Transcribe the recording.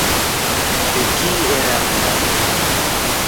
De qui era amant?